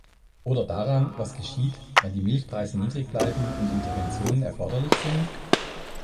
Oder daran, was geschieht, wenn die Milchpreise niedrig bleiben und Interventionen erforderlich sind?